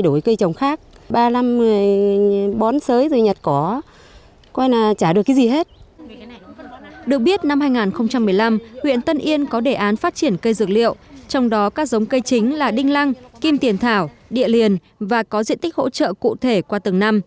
được biết năm hai nghìn một mươi năm huyện tân yên có đề án phát triển cây dược liệu trong đó các giống cây chính là đinh lăng kim tiền thảo địa liền và có diện tích hỗ trợ cụ thể qua từng năm